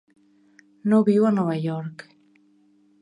No viu a Nova York.